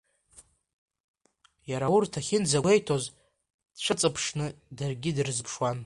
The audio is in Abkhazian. Иара, урҭ ахьынӡагәеиҭоз, дцәыҵыԥшны даргьы дырзыԥшуан.